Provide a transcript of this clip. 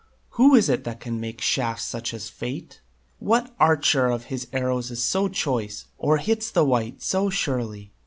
Who is it that can make such shafts as Fate? What archer of his arrows is so choice, Or hits the white so surely?